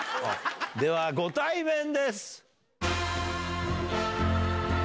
ではご対面です！